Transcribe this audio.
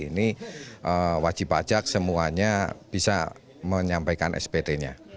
ini wajib pajak semuanya bisa menyampaikan spt nya